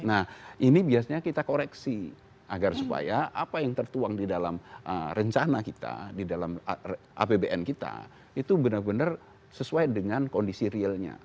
nah ini biasanya kita koreksi agar supaya apa yang tertuang di dalam rencana kita di dalam apbn kita itu benar benar sesuai dengan kondisi realnya